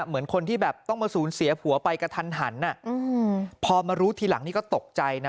เหมือนคนที่แบบต้องมาสูญเสียผัวไปกระทันหันพอมารู้ทีหลังนี่ก็ตกใจนะ